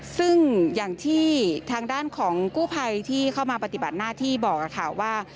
ซึ่งอย่างที่ทางด้านของกู้ภัยที่เข้ามาปฏิบัติหน้าที่บอกค่ะว่า